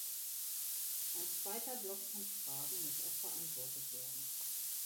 Ein zweiter Block von Fragen muss auch beantwortet werden.